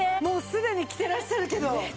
もうすでに着てらっしゃるけど。